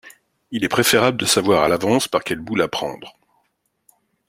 Il est préférable de savoir à l’avance par quel bout la prendre.